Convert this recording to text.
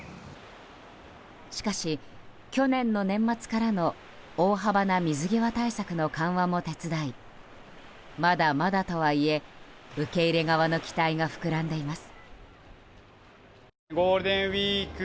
しかし、去年の年末からの大幅な水際対策の緩和も手伝いまだまだとはいえ、受け入れ側の期待が膨らんでいます。